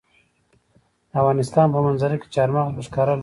د افغانستان په منظره کې چار مغز په ښکاره لیدل کېږي.